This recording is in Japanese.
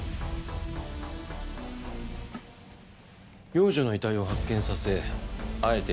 幼女の遺体を発見させあえて